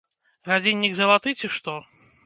Гадзіннік залаты ці што?